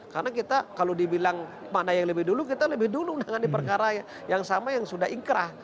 karena kita kalau dibilang mana yang lebih dulu kita lebih dulu menangani perkara yang sama yang sudah ingkrah